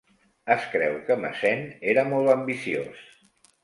Es creu que Messene era molt ambiciós.